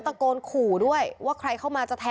พ่อหยิบมีดมาขู่จะทำร้ายแม่